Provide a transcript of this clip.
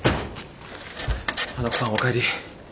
花子さんお帰り。